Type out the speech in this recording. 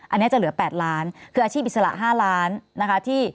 อันนี้จะเหลือ๘ล้านคืออาชีพอิสระ๕ล้านนะคะ